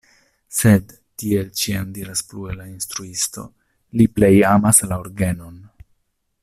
Sed, tiel ĉiam diras plue la instruisto, li plej amas la orgenon.